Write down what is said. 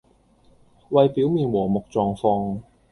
為表面和睦狀況